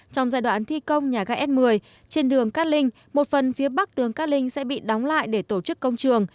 trong giai đoạn thi công nhà ga s một mươi trên đường cát linh một phần phía bắc đường cát linh sẽ bị đóng lại để tổ chức công trường